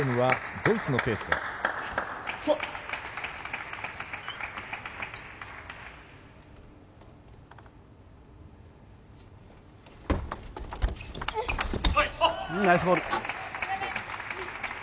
ナイスボール！